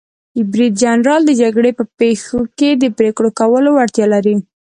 برید جنرال د جګړې په پیښو کې د پریکړو کولو وړتیا لري.